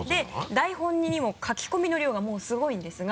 台本にも書き込みの量がすごいんですが。